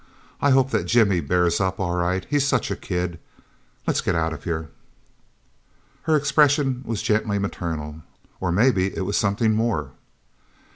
I hope that Jimmy bears up all right he's such a kid... Let's get out of here..." Her expression was gently maternal. Or maybe it was something more?